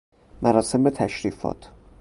مراسم تشریفات